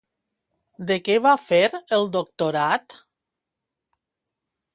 De què va fer el doctorat?